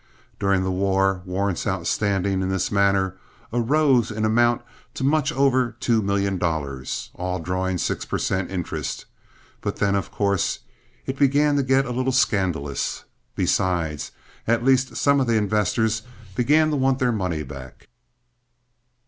During the war, warrants outstanding in this manner arose in amount to much over two million dollars, all drawing six per cent. interest, but then, of course, it began to get a little scandalous. Besides, at least some of the investors began to want their money back.